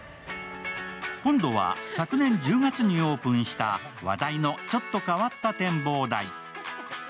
今度は昨年１０月にオープンした話題のちょっと変わった展望台。